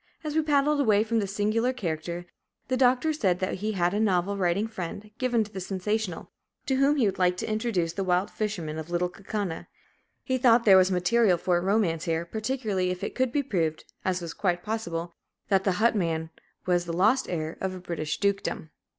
As we paddled away from this singular character, the Doctor said that he had a novel writing friend, given to the sensational, to whom he would like to introduce The Wild Fisherman of Little Kaukauna; he thought there was material for a romance here, particularly if it could be proved, as was quite possible, that the hut man was the lost heir of a British dukedom.